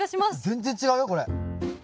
全然違うよこれ。